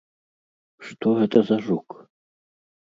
Што гэта за жук?